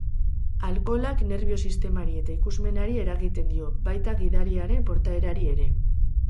Alkoholak nerbio sistemari eta ikusmenari eragiten dio, baita gidariaren portaerari ere.